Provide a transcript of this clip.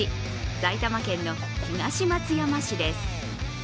埼玉県の東松山市です。